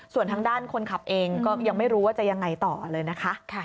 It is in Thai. ส่วนทางด้านคนขับเองก็ยังไม่รู้ว่าจะยังไงต่อเลยนะคะ